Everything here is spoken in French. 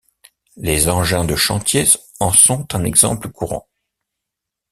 Les engins de chantier en sont un exemple courant.